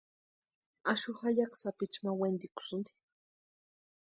Axu jayaki sapichu ma wentikusïnti.